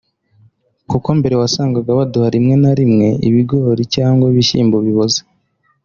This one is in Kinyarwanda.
Kuko mbere wasanaga baduha rimwe na rimwe ibigori cyanwa ibishyimbo biboze